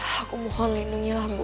hai aku mohon lindungilah boy